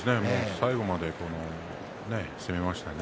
最後まで攻めましたね。